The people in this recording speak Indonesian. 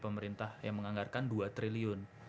pemerintah yang menganggarkan dua triliun